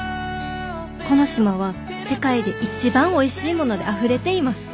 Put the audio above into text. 「この島は世界で一番おいしいものであふれています」。